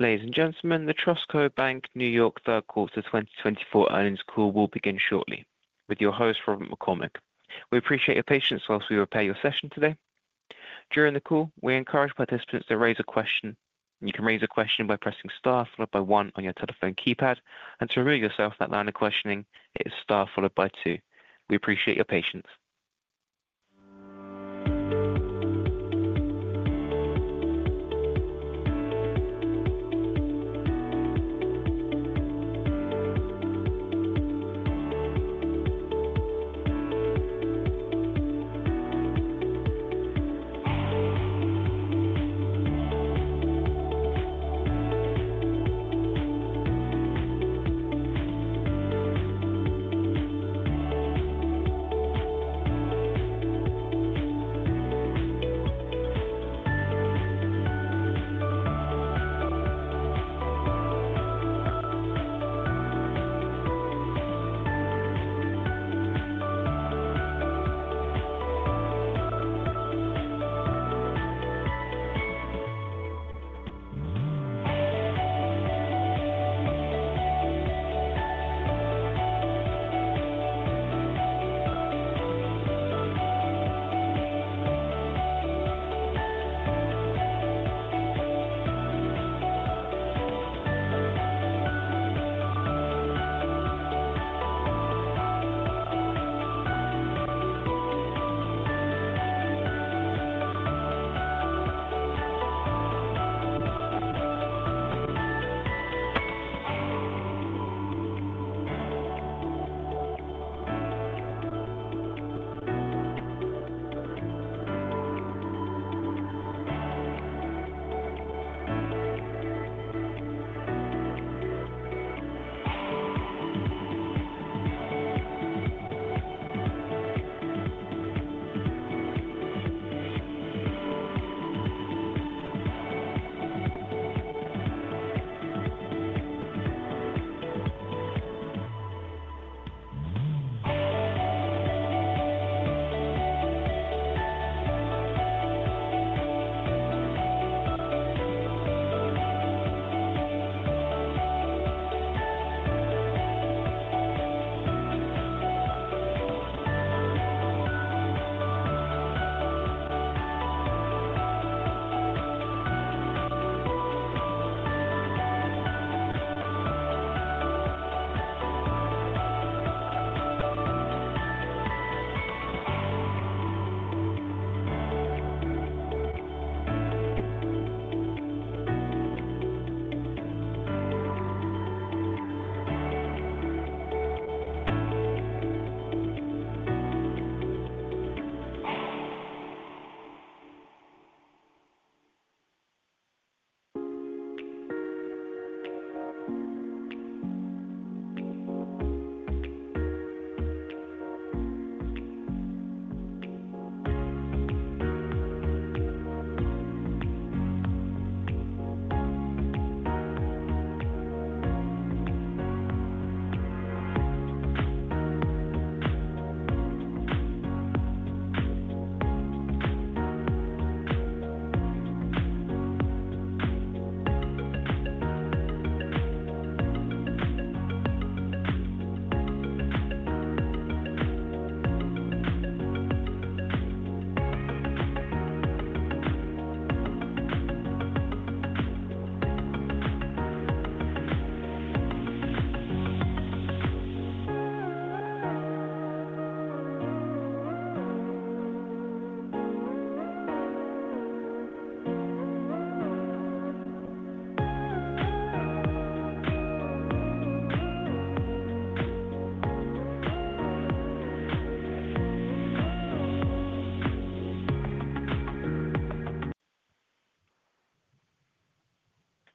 Ladies and gentlemen, the TrustCo Bank New York third quarter 2024 earnings call will begin shortly with your host, Robert McCormick. We appreciate your patience while we prepare your session today. During the call, we encourage participants to raise a question. You can raise a question by pressing star followed by one on your telephone keypad, and to remove yourself from that line of questioning, it is star followed by two. We appreciate your patience.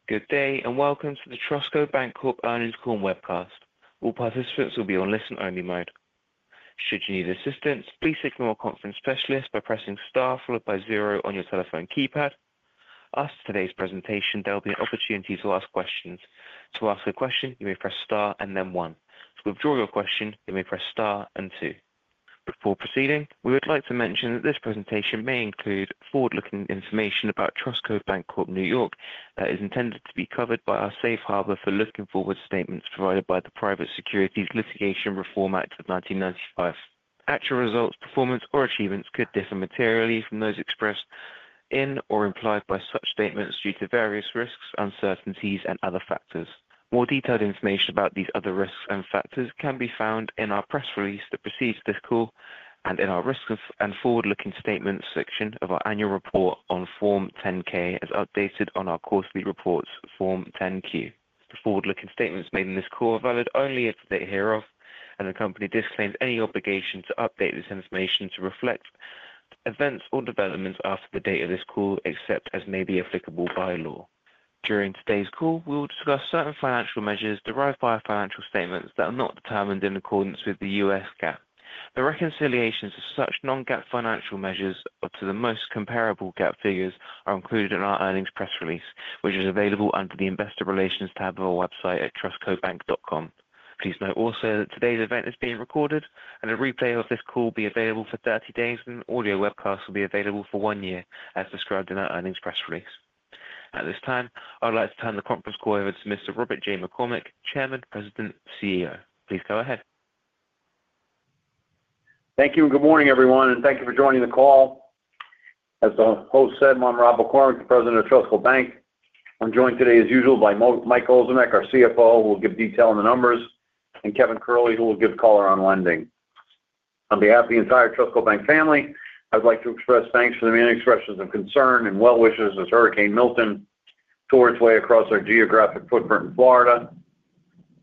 Good day, and welcome to the TrustCo Bank Corp earnings call webcast. All participants will be on listen-only mode. Should you need assistance, please signal our conference specialist by pressing star followed by zero on your telephone keypad. As to today's presentation, there will be an opportunity to ask questions. To ask a question, you may press star and then one. To withdraw your question, you may press star and two. Before proceeding, we would like to mention that this presentation may include forward-looking information about TrustCo Bank Corp NY that is intended to be covered by our safe harbor for forward-looking statements provided by the Private Securities Litigation Reform Act of 1995. Actual results, performance, or achievements could differ materially from those expressed in or implied by such statements due to various risks, uncertainties, and other factors. More detailed information about these other risks and factors can be found in our press release that precedes this call and in our risks and forward-looking statements section of our annual report on Form 10-K, as updated in our quarterly reports, Form 10-Q. The forward-looking statements made in this call are valid only as of the date hereof, and the company disclaims any obligation to update this information to reflect events or developments after the date of this call, except as may be applicable by law. During today's call, we will discuss certain financial measures derived by our financial statements that are not determined in accordance with the U.S. GAAP. The reconciliations of such non-GAAP financial measures up to the most comparable GAAP figures are included in our earnings press release, which is available under the Investor Relations tab of our website at trustcobank.com. Please note also that today's event is being recorded, and a replay of this call will be available for 30 days, and an audio webcast will be available for one year, as described in our earnings press release. At this time, I'd like to turn the conference call over to Mr. Robert J. McCormick, Chairman, President, CEO. Please go ahead. Thank you, and good morning, everyone, and thank you for joining the call. As the host said, I'm Rob McCormick, the President of TrustCo Bank. I'm joined today, as usual, by Michael Ozimek, our CFO, who will give detail on the numbers, and Kevin Curley, who will give color on lending. On behalf of the entire TrustCo Bank family, I'd like to express thanks for the many expressions of concern and well wishes as Hurricane Milton tore its way across our geographic footprint in Florida.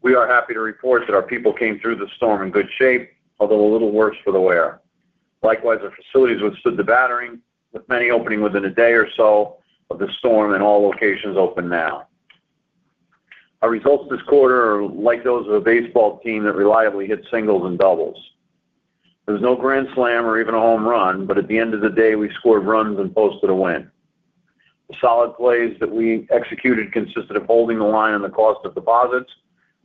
We are happy to report that our people came through the storm in good shape, although a little worse for the wear. Likewise, our facilities withstood the battering, with many opening within a day or so of the storm and all locations open now. Our results this quarter are like those of a baseball team that reliably hits singles and doubles. There was no grand slam or even a home run, but at the end of the day, we scored runs and posted a win. The solid plays that we executed consisted of holding the line on the cost of deposits,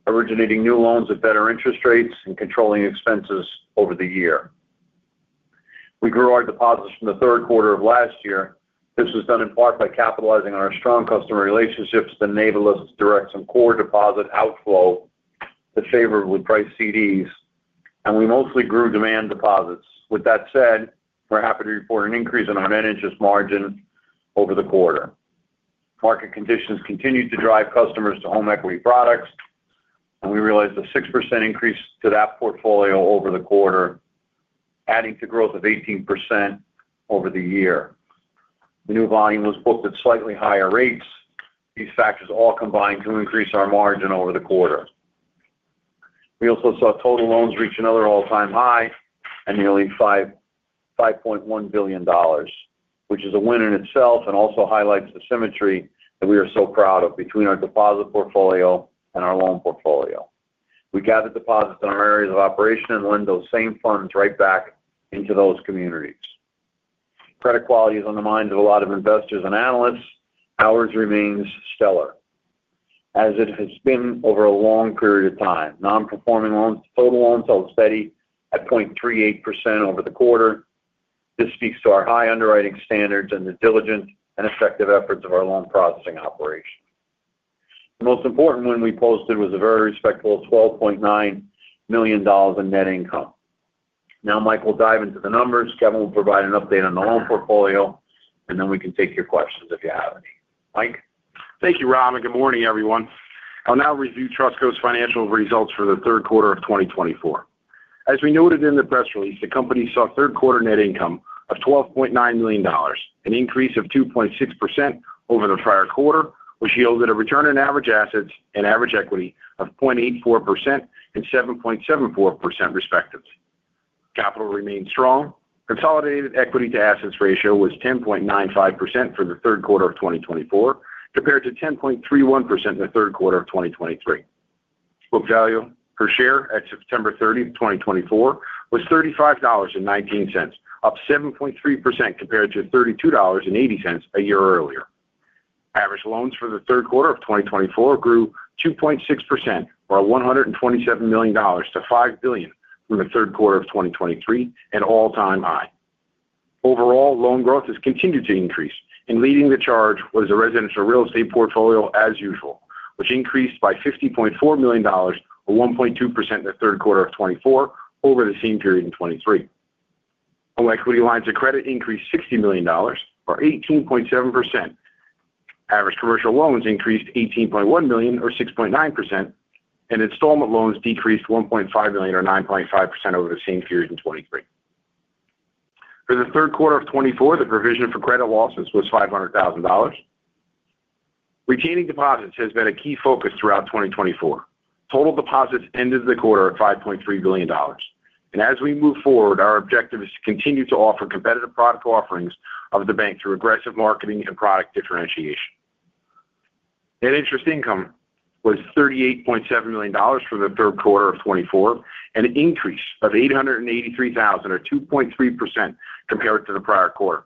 originating new loans at better interest rates, and controlling expenses over the year. We grew our deposits from the third quarter of last year. This was done in part by capitalizing on our strong customer relationships that enabled us to direct some core deposit outflow to favorably priced CDs, and we mostly grew demand deposits. With that said, we're happy to report an increase in our net interest margin over the quarter. Market conditions continued to drive customers to home equity products, and we realized a 6% increase to that portfolio over the quarter, adding to growth of 18% over the year. The new volume was booked at slightly higher rates. These factors all combined to increase our margin over the quarter. We also saw total loans reach another all-time high at nearly $5.1 billion, which is a win in itself and also highlights the symmetry that we are so proud of between our deposit portfolio and our loan portfolio. We gather deposits in our areas of operation and lend those same funds right back into those communities. Credit quality is on the minds of a lot of investors and analysts. Ours remains stellar, as it has been over a long period of time. Non-performing loans to total loans held steady at 0.38% over the quarter. This speaks to our high underwriting standards and the diligent and effective efforts of our loan processing operation. The most important one we posted was a very respectable $12.9 million in net income. Now, Mike will dive into the numbers. Kevin will provide an update on the loan portfolio, and then we can take your questions if you have any. Mike? Thank you, Rob, and good morning, everyone. I'll now review TrustCo's financial results for the third quarter of 2024. As we noted in the press release, the company saw third quarter net income of $12.9 million, an increase of 2.6% over the prior quarter, which yielded a return on average assets and average equity of 0.84% and 7.74%, respectively. Capital remains strong. Consolidated equity to assets ratio was 10.95% for the third quarter of 2024, compared to 10.31% in the third quarter of 2023. Book value per share at September 30th, 2024, was $35.19, up 7.3% compared to $32.80 a year earlier. Average loans for the third quarter of 2024 grew 2.6% or $127 million to $5 billion from the third quarter of 2023, an all-time high. Overall, loan growth has continued to increase, and leading the charge was the residential real estate portfolio, as usual, which increased by $60.4 million or 1.2% in the third quarter of 2024 over the same period in 2023. Home equity lines of credit increased $60 million or 18.7%. Average commercial loans increased $18.1 million or 6.9%, and installment loans decreased $1.5 million or 9.5% over the same period in 2023. For the third quarter of 2024, the provision for credit losses was $500,000. Retaining deposits has been a key focus throughout 2024. Total deposits ended the quarter at $5.3 billion, and as we move forward, our objective is to continue to offer competitive product offerings of the bank through aggressive marketing and product differentiation. Net interest income was $38.7 million for the third quarter of 2024, an increase of $883,000 or 2.3% compared to the prior quarter.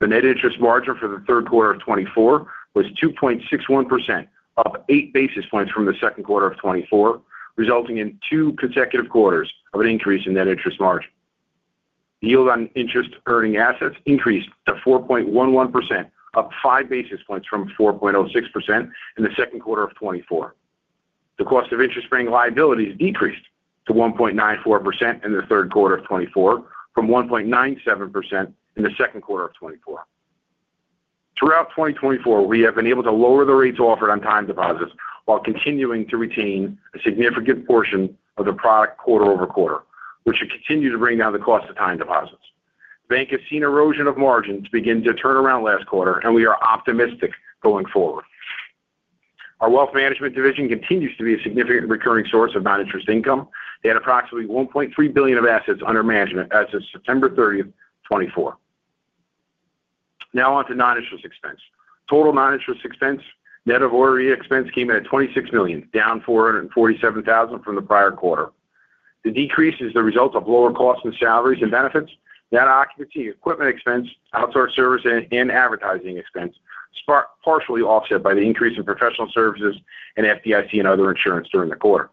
The net interest margin for the third quarter of 2024 was 2.61%, up eight basis points from the second quarter of 2024, resulting in two consecutive quarters of an increase in net interest margin. The yield on interest-earning assets increased to 4.11%, up five basis points from 4.06% in the second quarter of 2024. The cost of interest-earning liabilities decreased to 1.94% in the third quarter of 2024 from 1.97% in the second quarter of 2024. Throughout 2024, we have been able to lower the rates offered on time deposits while continuing to retain a significant portion of the product quarter-over-quarter, which should continue to bring down the cost of time deposits. The bank has seen erosion of margins begin to turn around last quarter, and we are optimistic going forward. Our wealth management division continues to be a significant recurring source of non-interest income. They had approximately $1.3 billion of assets under management as of September 30th, 2024. Now on to non-interest expense. Total non-interest expense, net of ORE expense, came in at $26 million, down $447,000 from the prior quarter. The decrease is the result of lower costs and salaries and benefits, net occupancy, equipment expense, outsourced services, and advertising expense, partially offset by the increase in professional services and FDIC and other insurance during the quarter.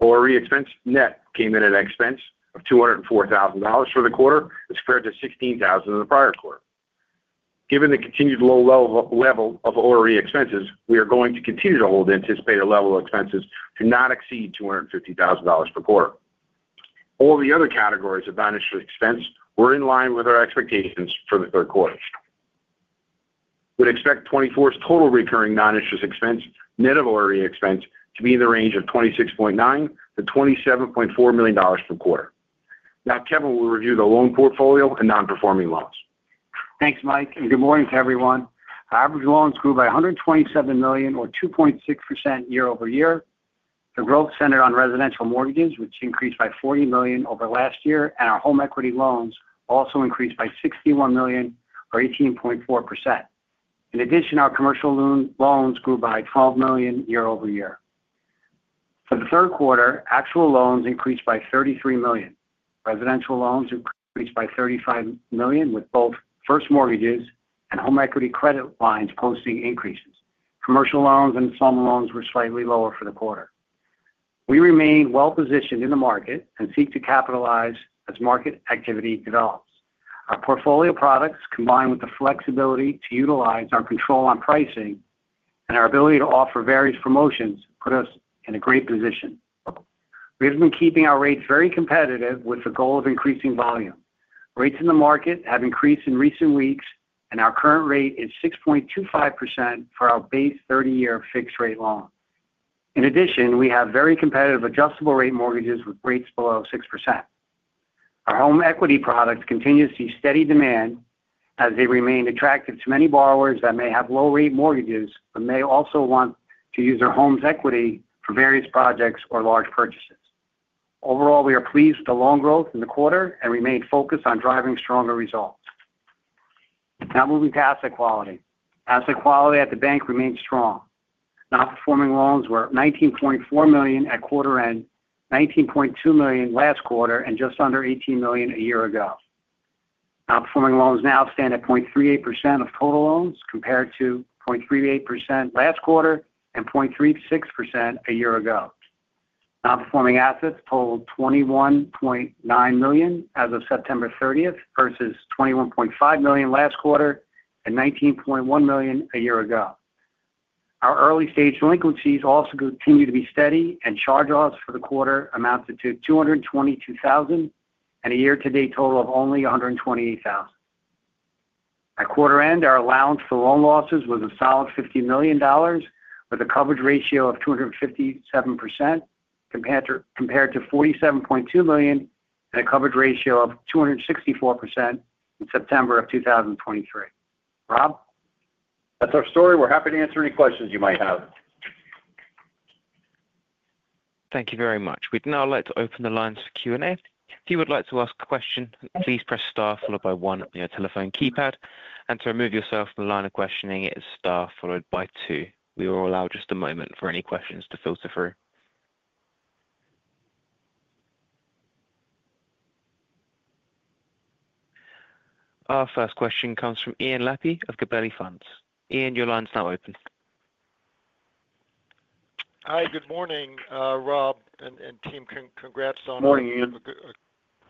ORE expense net came in at an expense of $204,000 for the quarter, as compared to $16,000 in the prior quarter. Given the continued low level of ORE expenses, we are going to continue to hold the anticipated level of expenses to not exceed $250,000 per quarter. All the other categories of non-interest expense were in line with our expectations for the third quarter. We'd expect 2024's total recurring non-interest expense, net of ORE expense, to be in the range of $26.9 million-$27.4 million per quarter. Now, Kevin will review the loan portfolio and nonperforming loans. Thanks, Mike, and good morning to everyone. Our average loans grew by $127 million or 2.6% year-over-year. The growth centered on residential mortgages, which increased by $40 million over last year, and our home equity loans also increased by $61 million or 18.4%. In addition, our commercial loans grew by $12 million year-over-year. For the third quarter, actual loans increased by $33 million. Residential loans increased by $35 million, with both first mortgages and home equity credit lines posting increases. Commercial loans and some loans were slightly lower for the quarter. We remain well-positioned in the market and seek to capitalize as market activity develops. Our portfolio products, combined with the flexibility to utilize our control on pricing and our ability to offer various promotions, put us in a great position. We have been keeping our rates very competitive, with the goal of increasing volume. Rates in the market have increased in recent weeks, and our current rate is 6.25% for our base thirty-year fixed-rate loan. In addition, we have very competitive adjustable-rate mortgages with rates below 6%. Our home equity products continue to see steady demand as they remain attractive to many borrowers that may have low-rate mortgages, but may also want to use their home's equity for various projects or large purchases. Overall, we are pleased with the loan growth in the quarter and remain focused on driving stronger results. Now, moving to asset quality. Asset quality at the bank remains strong. Nonperforming loans were 19.4 million at quarter end, 19.2 million last quarter, and just under 18 million a year ago. Nonperforming loans now stand at 0.38% of total loans, compared to 0.38% last quarter and 0.36% a year ago. Nonperforming assets totaled $21.9 million as of September 30th, versus $21.5 million last quarter and $19.1 million a year ago. Our early-stage delinquencies also continue to be steady, and charge-offs for the quarter amounted to $222,000, and a year-to-date total of only $128,000. At quarter end, our allowance for loan losses was a solid $50 million, with a coverage ratio of 257%, compared to $47.2 million and a coverage ratio of 264% in September of 2023. Rob? That's our story. We're happy to answer any questions you might have. Thank you very much. We'd now like to open the lines for Q&A. If you would like to ask a question, please press star followed by one on your telephone keypad, and to remove yourself from the line of questioning, it is star followed by two. We will allow just a moment for any questions to filter through. Our first question comes from Ian Lapey of Gabelli Funds. Ian, your line is now open. Hi, good morning, Rob and team. Congrats on- Morning, Ian A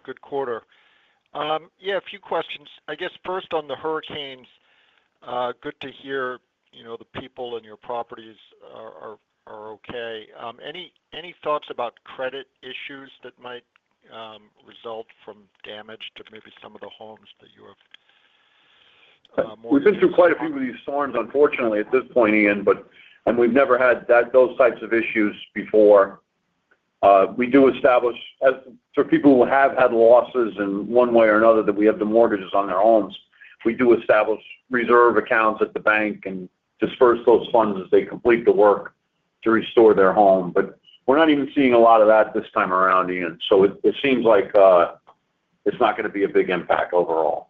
good quarter. Yeah, a few questions. I guess first on the hurricanes, good to hear, you know, the people in your properties are okay. Any thoughts about credit issues that might result from damage to maybe some of the homes that you have mortgaged? We've been through quite a few of these storms, unfortunately, at this point, Ian, but, and we've never had those types of issues before. We do establish, for people who have had losses in one way or another that we have the mortgages on their homes, reserve accounts at the bank and disburse those funds as they complete the work to restore their home, but we're not even seeing a lot of that this time around, Ian, so it seems like it's not gonna be a big impact overall.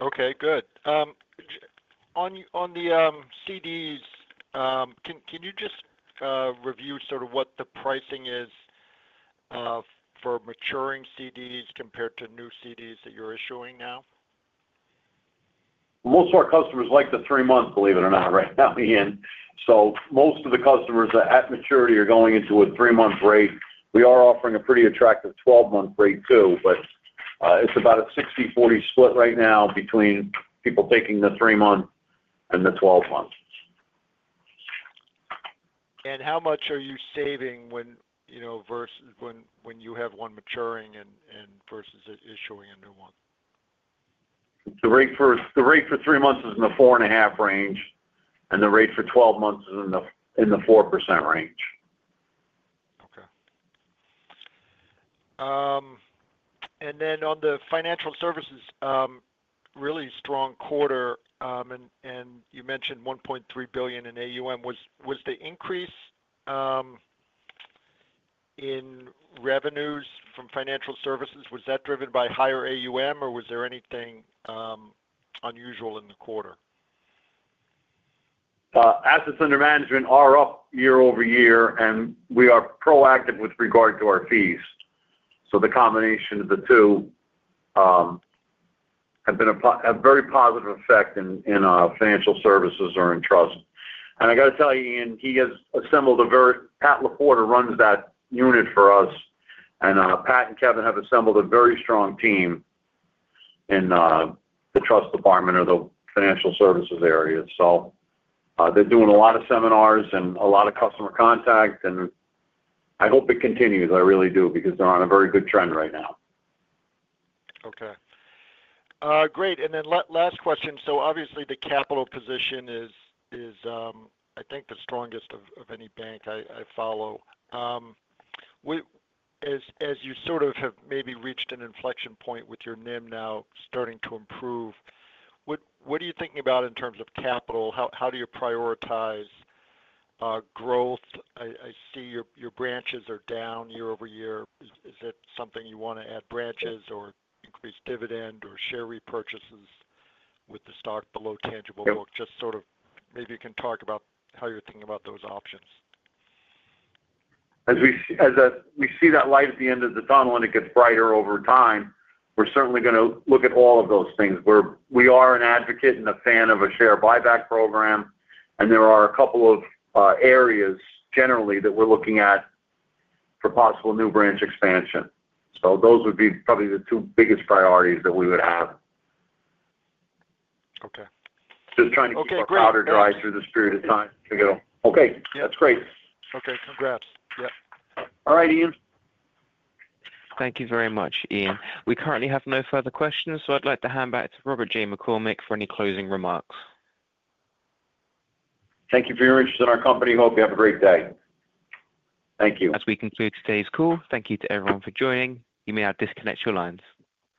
Okay, good. On the CDs, can you just review sort of what the pricing is for maturing CDs compared to new CDs that you're issuing now? Most of our customers like the three-month, believe it or not, right now, Ian. So most of the customers at maturity are going into a three-month rate. We are offering a pretty attractive twelve-month rate, too, but it's about a 60/40 split right now between people taking the three-month and the twelve-month. How much are you saving when, you know, versus when you have one maturing and versus issuing a new one? The rate for three months is in the 4.5 range, and the rate for 12 months is in the 4% range. Okay. And then on the financial services, really strong quarter, and you mentioned $1.3 billion in AUM. Was the increase in revenues from financial services driven by higher AUM, or was there anything unusual in the quarter? Assets under management are up year-over-year, and we are proactive with regard to our fees, so the combination of the two have been a very positive effect in our financial services or in trust. I got to tell you, Ian, he has assembled. Pat LaPorta runs that unit for us, and Pat and Kevin have assembled a very strong team in the trust department or the financial services area, so they're doing a lot of seminars and a lot of customer contact, and I hope it continues. I really do, because they're on a very good trend right now. Okay. Great. And then last question. So obviously, the capital position is, I think the strongest of any bank I follow. As you sort of have maybe reached an inflection point with your NIM now starting to improve, what are you thinking about in terms of capital? How do you prioritize growth? I see your branches are down year-over-year. Is that something you want to add branches or increase dividend or share repurchases with the stock below tangible book? Yep. Just sort of maybe you can talk about how you're thinking about those options. As we see that light at the end of the tunnel, and it gets brighter over time, we're certainly going to look at all of those things. We are an advocate and a fan of a share buyback program, and there are a couple of areas generally that we're looking at for possible new branch expansion, so those would be probably the two biggest priorities that we would have. Okay. Just trying to keep our- Okay, great. Powder dry through this period of time to go. Okay. Yeah. That's great. Okay. Congrats. Yep. All right, Ian. Thank you very much, Ian. We currently have no further questions, so I'd like to hand back to Robert J. McCormick for any closing remarks. Thank you for your interest in our company. Hope you have a great day. Thank you. As we conclude today's call, thank you to everyone for joining. You may now disconnect your lines.